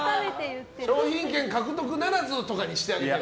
商品券獲得ならず！とかにしてあげてよ。